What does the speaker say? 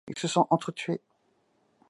Ils se sont entretués.